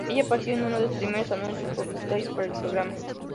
Ella apareció en uno de los primeros anuncios publicitarios para el programa.